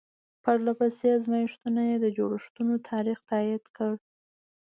پرله پسې ازمایښتونو یې د جوړښتونو تاریخ تایید کړ.